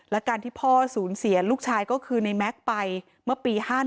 และการที่พ่อสูญเสียลูกชายก็คือในแม็กซ์ไปเมื่อปี๕๑